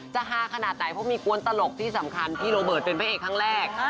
ฮาขนาดไหนเพราะมีกวนตลกที่สำคัญพี่โรเบิร์ตเป็นพระเอกครั้งแรก